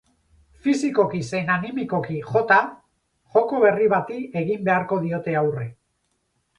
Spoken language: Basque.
Fisikoki zein animikoki jota, joko berri bati egin beharko diote aurre.